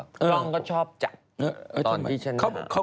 กล้องก็ชอบจัดตอนที่ฉัน